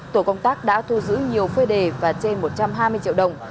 tổ công tác đã thu giữ nhiều phơi đề và trên một trăm hai mươi triệu đồng